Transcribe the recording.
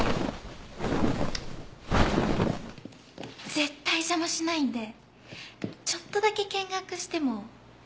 絶対邪魔しないんでちょっとだけ見学してもいいですよね？